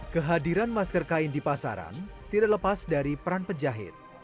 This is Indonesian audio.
kehadiran masker kain di pasaran tidak lepas dari peran penjahit